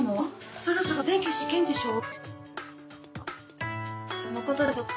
そろそろ前期試験でしょう？